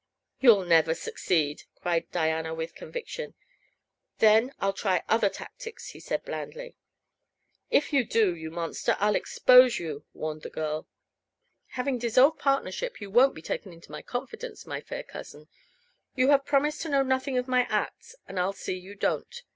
"You'll never succeed!" cried Diana, with conviction. "Then I'll try other tactics," said he blandly. "If you do, you monster, I'll expose you," warned the girl. "Having dissolved partnership, you won't be taken into my confidence, my fair cousin. You have promised to know nothing of my acts, and I'll see you don't."